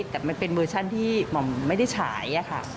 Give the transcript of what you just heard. แต่มันเป็นเวอร์ชันที่หม่อมไม่ได้ฉายค่ะ